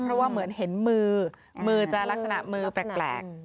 เพราะว่าเหมือนเห็นมือมือมือจะลักษณะมือแปลก